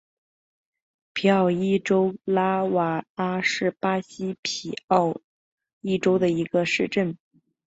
皮奥伊州拉戈阿是巴西皮奥伊州的一个市镇。